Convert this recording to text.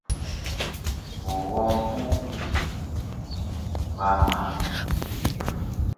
Bò wom fu ndzɨsɨ fɨsɨ ma màʼ.